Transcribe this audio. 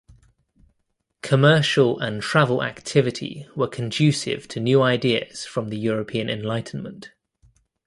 Commercial and travel activity were conducive to new ideas from the European Enlightenment.